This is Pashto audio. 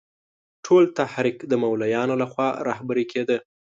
ټول تحریک د مولویانو له خوا رهبري کېده.